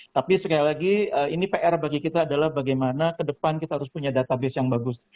tapi sekali lagi ini pr bagi kita adalah bagaimana ke depan kita harus punya database yang bagus